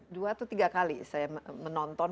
dua atau tiga kali saya menonton